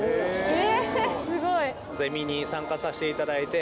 え！